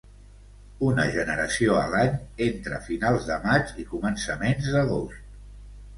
Una generació a l'any entre finals de maig i començaments d'agost.